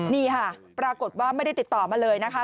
นี่ค่ะปรากฏว่าไม่ได้ติดต่อมาเลยนะคะ